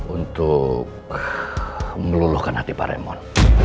untuk meluluhkan hati pak remon